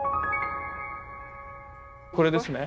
これですね。